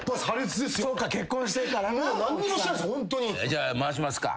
じゃあ回しますか。